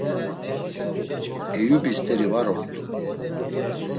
Eyubi st̆eri var ort̆u.